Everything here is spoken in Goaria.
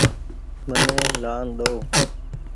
مني لآن ۮئو۔